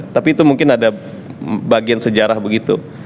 tapi itu mungkin ada bagian sejarah begitu